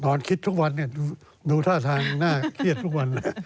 นอนคิดกับวันนี้นูท่าทางน่าเครียดทุกวัน